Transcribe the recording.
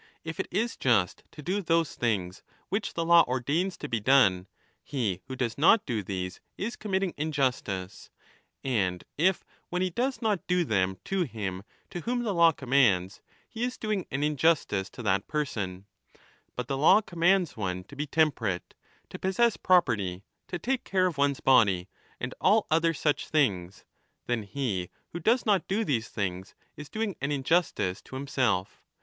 If it is just to do those things which the law ordains to be done, he who does not do these is 1196^ committing injustice ; and if when he does not do them to him to whom the law commands, he is doing an injustice to that person, but the law commands one to be temperate, to possess property, to take care of one's body, and all other such things, then he who does not do these things 5 is doing an injustice to himself.